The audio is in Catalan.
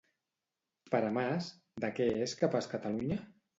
Per a Mas, de què és capaç Catalunya?